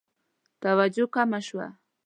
توجه کمه شوه.